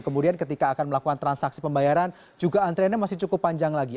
kemudian ketika akan melakukan transaksi pembayaran juga antriannya masih cukup panjang lagi